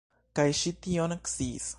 Kaj ŝi tion sciis.